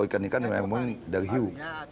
ikan ikan yang memang dari hiu